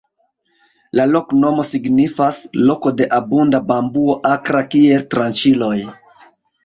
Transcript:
La loknomo signifas: "loko de abunda bambuo akra kiel tranĉiloj".